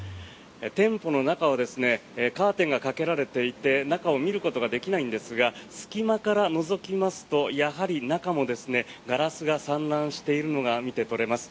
店舗の中はカーテンがかけられていて中を見ることができないんですが隙間からのぞきますとやはり中もガラスが散乱しているのが見て取れます。